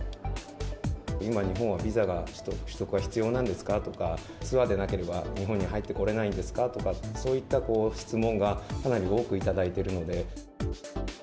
今、日本はビザが取得が必要なんですか？とかツアーでなければ、日本に入ってこれないんですかとか、そういった質問がかなり多く頂いているので。